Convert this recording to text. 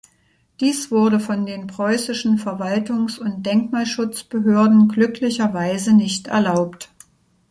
Dies wurde von den preußischen Verwaltungs- und Denkmalschutzbehörden glücklicherweise nicht erlaubt.